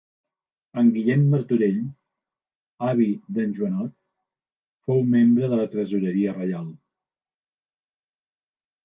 En Guillem Martorell, avi d'en Joanot, fou membre de la tresoreria reial.